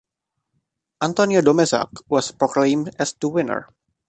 Antonio Domes-ag was proclaimed as the winner.